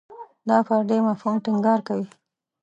دا پر دې مفهوم ټینګار کوي.